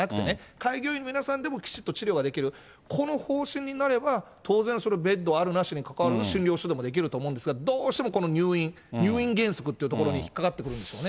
開業医の皆さんでもきちっと治療ができる、この方針になれば、当然それベッドあるなしに関わらず、診療所でもできると思うんですが、どうしてもこの入院、入院原則っていうところに引っかかってくるんでしょうね。